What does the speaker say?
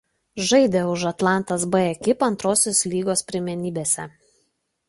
Žaidė už Atlantas B ekipą Antros lygos pirmenybėse.